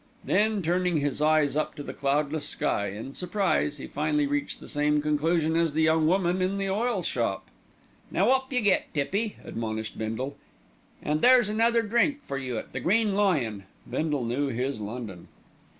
Then turning his eyes up to the cloudless sky in surprise, he finally reached the same conclusion as the young woman at the oil shop. "Now up you get, Tippy," admonished Bindle, "an' there's another drink for you at The Green Lion." Bindle knew his London.